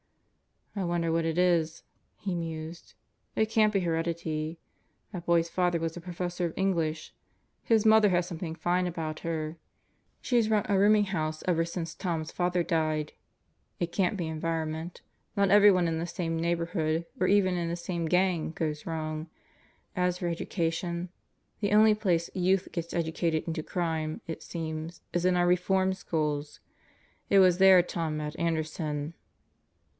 "I wonder what it is," he mused, "It can't be heredity. That boy's father was a professor of English. His mother has something fine about her. She's run a rooming house ever since Tom's father died. It can't be environment. Not everyone in the same neighborhood, or even in the same gang, goes wrong. As for education ... the only place youth gets educated into crime, it seems, is in our Reform Schools. It was there Tom met Anderson.